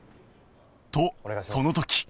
とその時